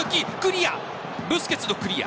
ブスケツのクリア。